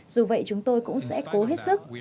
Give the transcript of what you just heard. dù vậy chúng tôi cũng sẽ cố hết sức